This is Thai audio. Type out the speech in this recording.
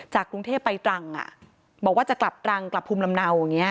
กรุงเทพไปตรังบอกว่าจะกลับตรังกลับภูมิลำเนาอย่างนี้